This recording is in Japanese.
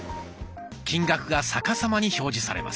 金額が逆さまに表示されます。